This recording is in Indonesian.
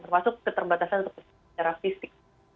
termasuk keterbatasan secara fisik